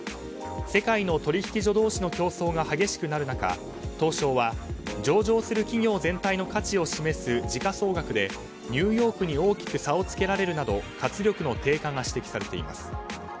世界の取引所同士の競争が激しくなる中東証は上場する企業全体の価値を示す時価総額で、ニューヨークに大きく差をつけられるなど活力の低下が指摘されています。